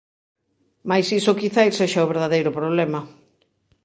Mais iso quizais sexa o verdadeiro problema.